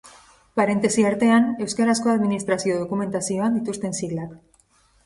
Parentesi artean, euskarazko administrazio dokumentazioan dituzten siglak.